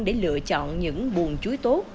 để lựa chọn những buồn chuối tốt